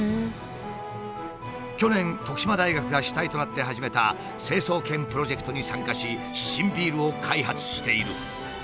去年徳島大学が主体となって始めた成層圏プロジェクトに参加し新ビールを開発している。